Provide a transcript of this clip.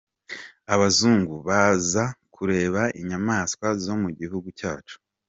Abazungu baza kureba inyamaswa zo mu gihugu cyacu.